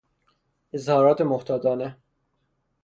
اظهارات محتاطانه